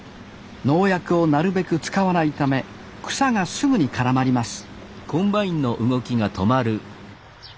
農薬をなるべく使わないため草がすぐに絡まります